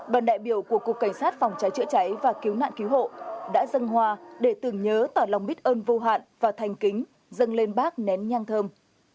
bà đại biểu của cục cảnh sát phòng trái trợi trái và kiếm mạng cứu hộ đã dâng hoa để tưởng nhớ tỏ lòng biết ơn vô hạn và thành kính dâng lên bác nén nhang thơm